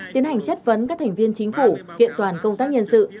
tiến hành chất vấn các thành viên chính phủ kiện toàn công tác nhân sự